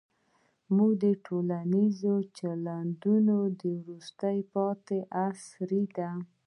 زموږ ټولنیز چلندونه د وروسته پاتې عصر دي.